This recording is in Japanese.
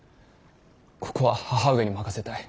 ここは母上に任せたい。